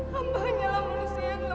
kamu mau kemana